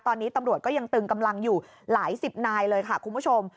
ตอนนี้ตำรวจก็ยังตึงกำลังอยู่หลายสิบนายเลยค่ะคุณผู้ชม